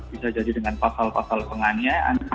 bisa jadi dengan pasal pasal penganiayaan